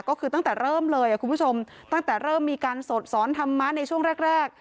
ก็คือตั้งแต่เริ่มเลยคุณผู้ชมตั้งแต่เริ่มมีการสดสอนธรรมะในช่วงแรกแรก